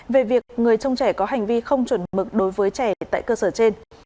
về việc người trông trẻ có hành vi không chuẩn mực đối với trẻ tại cơ sở trên